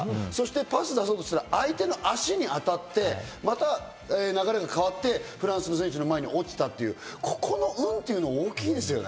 パス出そうとしたら、相手の足に当たって流れが変わって、フランスの選手の前に落ちた、ここの運っていうのは大きいですね。